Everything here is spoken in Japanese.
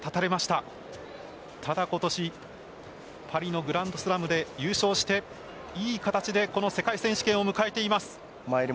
ただ、今年パリのグランドスラムで優勝していい形でこの世界選手権を迎えています。